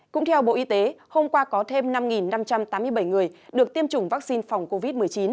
cũng theo bộ y tế hôm qua có thêm năm năm trăm tám mươi bảy người được tiêm chủng vaccine phòng covid một mươi chín